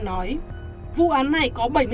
nói vụ án này có bảy mươi chín